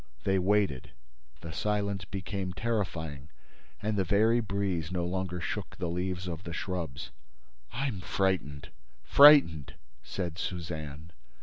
They waited. The silence became terrifying and the very breeze no longer shook the leaves of the shrubs. "I'm frightened—frightened," said Suzanne.